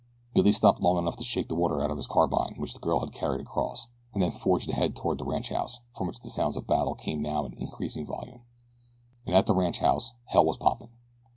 Billy stopped long enough to shake the water out of his carbine, which the girl had carried across, and then forged ahead toward the ranchhouse from which the sounds of battle came now in increased volume. And at the ranchhouse "hell was popping."